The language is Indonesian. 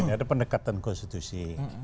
ada pendekatan konstitusi